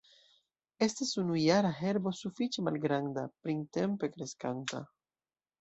Estas unujara herbo sufiĉe malgranda, printempe kreskanta.